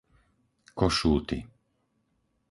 Košúty